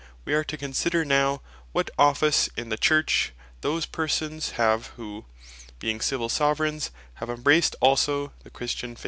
We are to consider now, what Office those persons have, who being Civill Soveraignes, have embraced also the Christian Faith.